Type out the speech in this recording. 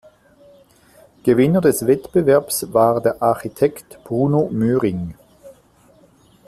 Gewinner des Wettbewerbs war der Architekt Bruno Möhring.